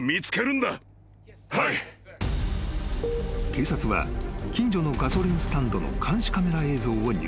［警察は近所のガソリンスタンドの監視カメラ映像を入手］